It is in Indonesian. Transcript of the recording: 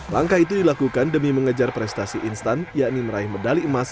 langkah itu dilakukan demi mengejar prestasi instan yakni meraih medali emas